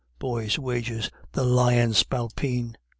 Boys' wages; the lyin' spalpeen."